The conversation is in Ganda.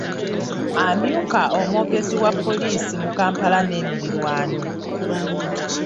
Amyuka omwogezi wa poliisi mu Kampala n’emiriraano.